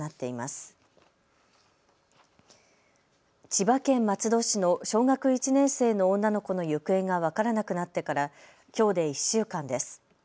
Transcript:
千葉県松戸市の小学１年生の女の子の行方が分からなくなってから、きょうで１週間です。